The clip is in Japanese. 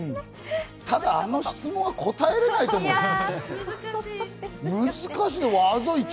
ただ、あの質問は答えれないと思う。